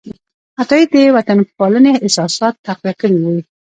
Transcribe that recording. عطايي د وطنپالنې احساسات تقویه کړي دي.